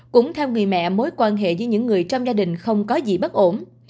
cũng theo người mẹ mối quan hệ với những người trong gia đình không có gì bất ổn